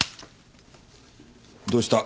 どうした？